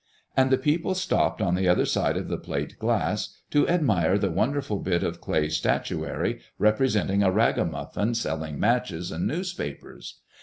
And the people stopped on the other side of the plate glass to admire the wonderful bit of clay statuary representing a ragamuffin selling matches and newspapers.